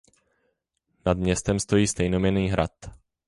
Nad městem stojí stejnojmenný hrad.